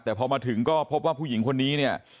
แต่พอมาถึงก็พบว่าผู้หญิงคนนี้เนี่ย